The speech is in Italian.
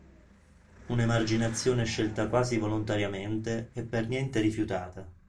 Un'emarginazione scelta quasi volontariamente e per niente rifiutata.